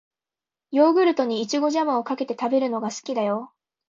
ヨーグルトに、いちごジャムをかけて食べるのが好きだよ。